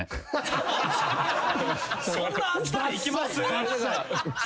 そんなあっさりいきます？